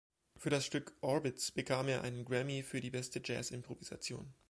Für das Stück "Orbits" bekam er einen Grammy für die beste Jazzimprovisation.